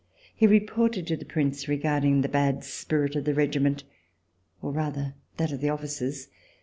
He reported to the Prince regarding the bad spirit of the regiment, or rather that of the officers.